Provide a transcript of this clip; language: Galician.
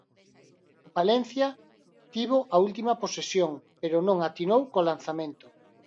O Palencia tivo a última posesión pero non atinou co lanzamento.